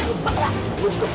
tidak lupa nek